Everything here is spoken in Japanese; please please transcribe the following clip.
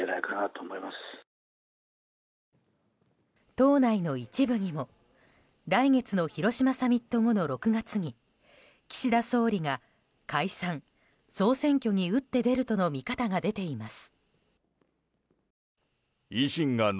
党内の一部にも来月の広島サミット後の６月に岸田総理が解散・総選挙に打って出るとの見方が出ています。